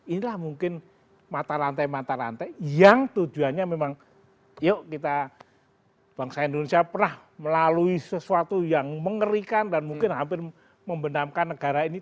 inilah mungkin mata rantai mata rantai yang tujuannya memang yuk kita bangsa indonesia pernah melalui sesuatu yang mengerikan dan mungkin hampir membenamkan negara ini